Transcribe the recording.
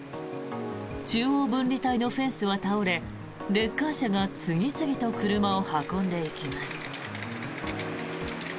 中央分離帯のフェンスは倒れレッカー車が次々と車を運んでいきます。